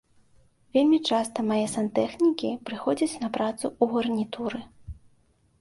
Вельмі часта мае сантэхнікі прыходзяць на працу ў гарнітуры.